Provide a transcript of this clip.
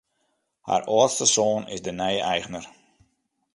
Har âldste soan is de nije eigner.